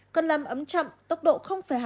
cần làm ấm chậm tốc độ hai mươi năm độ trong một giờ